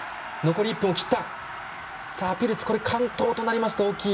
ピルツこれ完登となりますと大きい。